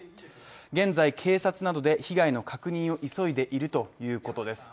現在、警察などで被害の確認を急いでいるということです。